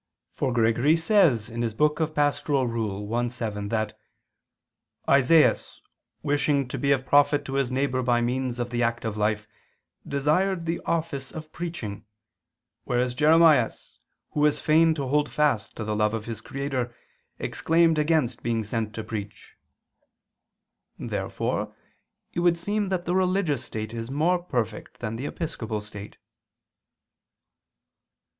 For Gregory says (Pastor. i, 7) that "Isaias wishing to be of profit to his neighbor by means of the active life desired the office of preaching, whereas Jeremias, who was fain to hold fast to the love of his Creator, exclaimed against being sent to preach." Therefore it would seem that the religious state is more perfect than the episcopal state.